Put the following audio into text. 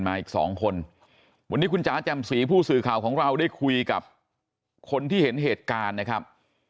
มาอีกสองคนวันนี้คุณจ๋าจำศรีผู้สื่อข่าวของเราได้คุยกับคนที่เห็นเหตุการณ์นะครับ